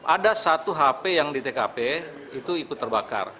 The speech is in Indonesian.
ada satu hp yang di tkp itu ikut terbakar